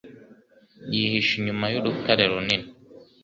Yihishe inyuma y'urutare runini.